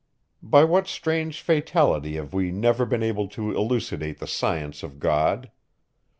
By what strange fatality have we never been able to elucidate the science of God?